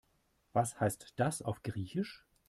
Was heißt das auf Griechisch?